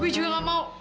gue juga nggak mau